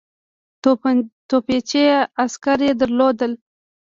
توپچي عسکر یې درلودل.